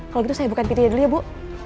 kalau gitu saya bukain videonya dulu ya bu